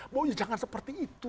makanya jangan seperti itu